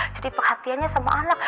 jadi perhatiannya sama anak